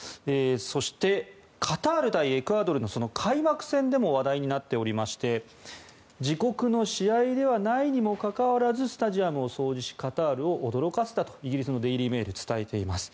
そして、カタール対エクアドルの開幕戦でも話題になっておりまして自国の試合ではないにもかかわらずスタジアムを掃除しカタールを驚かせたとイギリスのデイリー・メールは伝えています。